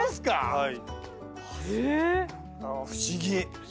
はい！